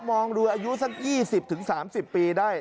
มองดูอายุสัก๒๐๓๐ปีได้